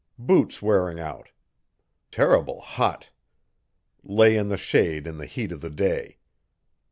Boots wearing out. Terrible hot. Lay in the shade in the heat of the day.